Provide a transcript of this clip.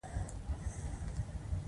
خلک د پیرودلو لپاره په کښتیو کې هلته راځي